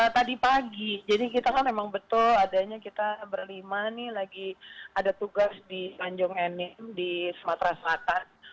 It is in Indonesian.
tadi pagi jadi kita kan memang betul adanya kita berlima nih lagi ada tugas di tanjung enim di sumatera selatan